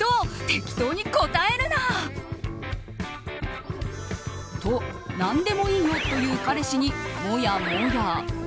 適当に答えるな！と、何でもいいよと言う彼氏にもやもや。